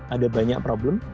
ada banyak problem